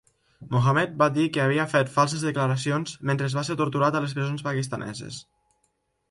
Mohamed va dir que havia fet falses declaracions mentre va ser torturat a les presons pakistaneses.